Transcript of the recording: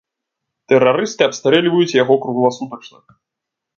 Тэрарысты абстрэльваюць яго кругласутачна.